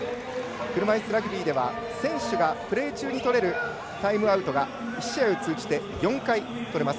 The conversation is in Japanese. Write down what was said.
車いすラグビーでは選手がプレー中に取れるタイムアウトが１試合通じて４回とれます。